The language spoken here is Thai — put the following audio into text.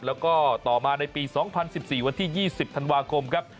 แล้วก็ต่อมาในปี๒๐๑๔วันที่๒๐ธันวาคมครับ